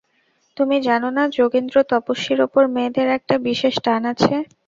তুমি জান না যোগেন্দ্র, তপস্বীর উপর মেয়েদের একটা বিশেষ টান আছে।